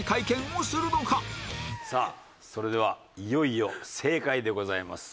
さあそれではいよいよ正解でございます。